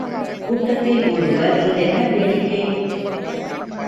கூட்டத்தில் ஒருவர் இதென்ன வேடிக்கை!